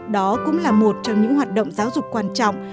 đó cũng là một trong những hoạt động giáo dục quan trọng